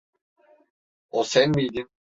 O sen miydin?